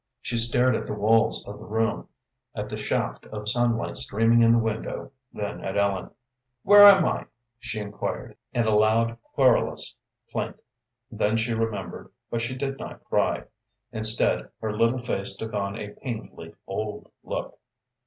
She stared at the walls of the room, at the shaft of sunlight streaming in the window, then at Ellen. "Where am I?" she inquired, in a loud, querulous plaint. Then she remembered, but she did not cry; instead, her little face took on a painfully old look.